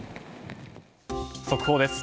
速報です。